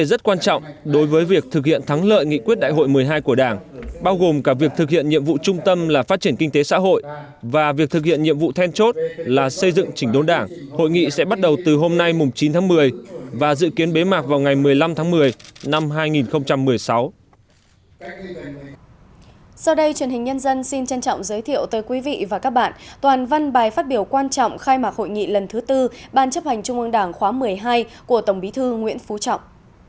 sau đây truyền hình nhân dân xin trân trọng giới thiệu tới quý vị và các bạn toàn văn bài phát biểu quan trọng khai mạc hội nghị lần thứ tư ban chấp hành trung ương đảng khóa một mươi hai của tổng bí thư nguyễn phú trọng